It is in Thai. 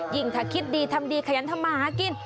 ถ้าคิดดีทำดีขยันทำมาหากิน